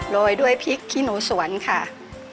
โรยด้วยพริกขี้หนูสวนค่ะ